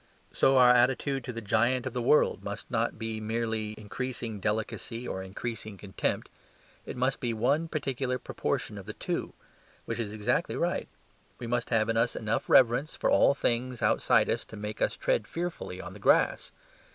So our attitude to the giant of the world must not merely be increasing delicacy or increasing contempt: it must be one particular proportion of the two which is exactly right. We must have in us enough reverence for all things outside us to make us tread fearfully on the grass.